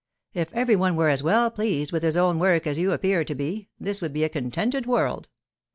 'If every one were as well pleased with his own work as you appear to be, this would be a contented world.